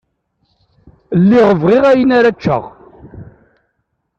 Lliɣ bɣiɣ ayen ara ččeɣ.